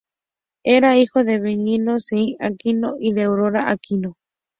Era hijo de Benigno S. Aquino, Sr. y de Aurora Aquino.